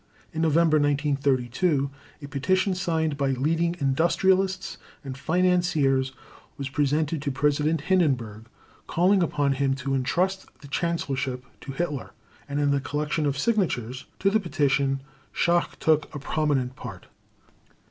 In November 1932 a petition signed by leading industrialists and financiers was presented to President Hindenburg, calling upon him to entrust the Chancellorship to Hitler; and in the collection of signatures, to the petition Schacht took a prominent part.